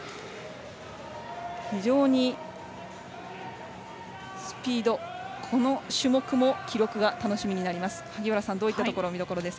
非常にスピード、この種目も記録が楽しみになります。